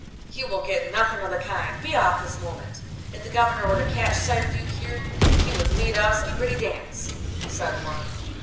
'You will get nothing of the kind! Be off this moment! If the Governor were to catch sight of you here, he would lead us a pretty dance,' said one.